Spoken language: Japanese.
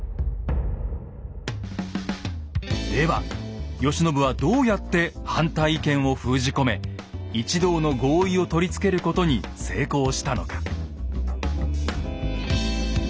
では慶喜はどうやって反対意見を封じ込め一同の合意をとりつけることに成功したのか。